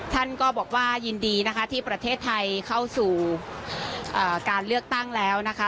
ท่านก็บอกว่ายินดีนะคะที่ประเทศไทยเข้าสู่การเลือกตั้งแล้วนะคะ